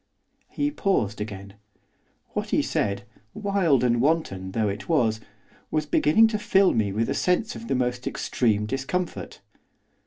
He paused again. What he said, wild and wanton though it was, was beginning to fill me with a sense of the most extreme discomfort.